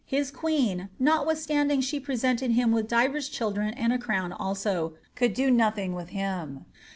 His queen, notwithstanding she presented him with divers children and I crown also, could do nothing with him.